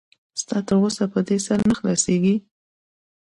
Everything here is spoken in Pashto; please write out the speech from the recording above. ستا تر اوسه په دې سر نه خلاصېږي.